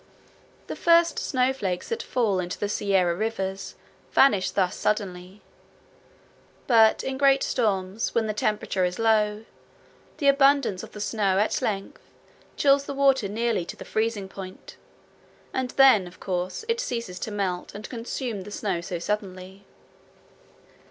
The first snowflakes that fall into the Sierra rivers vanish thus suddenly; but in great storms, when the temperature is low, the abundance of the snow at length chills the water nearly to the freezing point, and then, of course, it ceases to melt and consume the snow so suddenly.